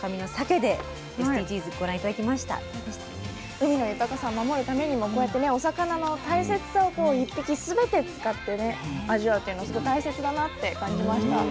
海の豊かさを守るためにもこうやってねお魚の大切さを１匹全て使ってね味わうっていうのすごい大切だなって感じました。